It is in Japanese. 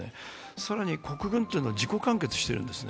更に国軍というのは自己完結してるんですね。